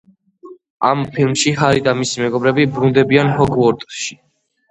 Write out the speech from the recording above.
ამ ფილმში ჰარი და მისი მეგობრები ბრუნდებიან ჰოგვორტსში.